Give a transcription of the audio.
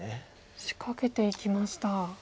仕掛けていきました。